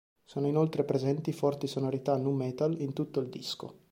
Sono inoltre presenti forti sonorità nu metal in tutto il disco.